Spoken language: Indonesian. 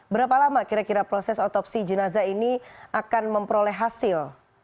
berapa lama kira kira proses otopsi jenazah ini akan memperoleh hasil